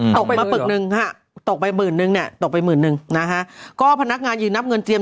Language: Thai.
ตกมาปึกหนึ่งค่ะตกไปหมื่นนึงเนี่ยตกไปหมื่นหนึ่งนะฮะก็พนักงานยืนนับเงินเจียม